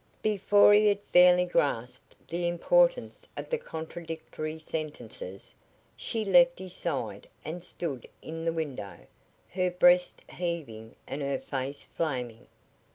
Before he had fairly grasped the importance of the contradictory sentences, she left his side and stood in the window, her breast heaving and her face flaming.